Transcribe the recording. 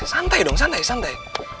santai dong santai